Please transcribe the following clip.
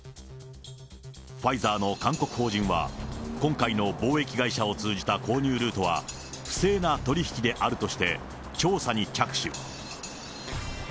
ファイザーの韓国法人は、今回の貿易会社を通じた購入ルートは不正な取り引きであるとして、調査に着手。